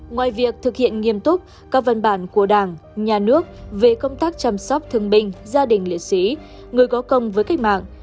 ngoài việc thực hiện nghiêm túc các văn bản của đảng nhà nước về công tác chăm sóc thương binh gia đình liệt sĩ người có công với cách mạng